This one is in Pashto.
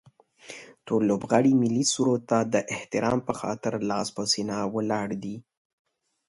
ټول لوبغاړي ملي سرود ته د احترام به خاطر لاس په سینه ولاړ دي